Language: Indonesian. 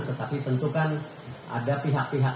tetapi tentu kan ada pihak pihak